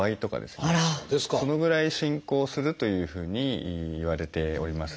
そのぐらい進行するというふうにいわれております。